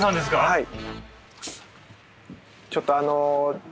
はい。